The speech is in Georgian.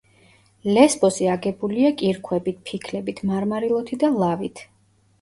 ლესბოსი აგებულია კირქვებით, ფიქლებით, მარმარილოთი და ლავით.